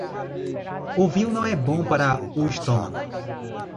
O vinho não é bom para o estômago.